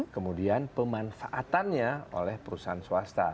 kemudian pemanfaatannya oleh perusahaan swasta